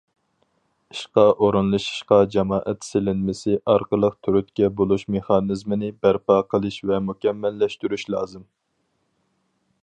ئىشقا ئورۇنلىشىشقا جامائەت سېلىنمىسى ئارقىلىق تۈرتكە بولۇش مېخانىزمىنى بەرپا قىلىش ۋە مۇكەممەللەشتۈرۈش لازىم.